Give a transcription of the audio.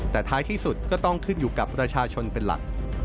แต่ท้ายที่สุดก็ต้องขึ้นอยู่กับประชาชนเป็นหลัก